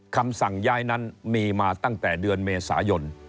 คำสั่งย้ายนั้นมีมาตั้งแต่เดือนเมษายน